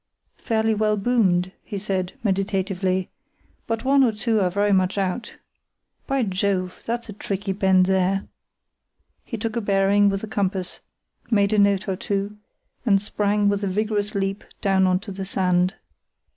"Fairly well boomed," he said, meditatively, "but one or two are very much out. By Jove! that's a tricky bend there." He took a bearing with the compass, made a note or two, and sprang with a vigorous leap down on to the sand.